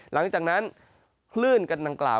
หลังจากนั้นคลื่นกันดังกล่าว